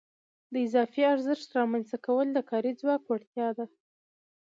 د اضافي ارزښت رامنځته کول د کاري ځواک وړتیا ده